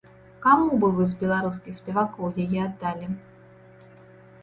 Каму б вы з беларускіх спевакоў яе аддалі?